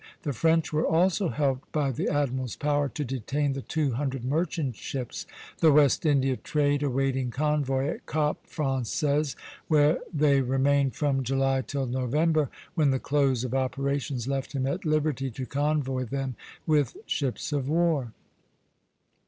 The French were also helped by the admiral's power to detain the two hundred merchant ships, the "West India trade," awaiting convoy at Cap Français, where they remained from July till November, when the close of operations left him at liberty to convoy them with ships of war.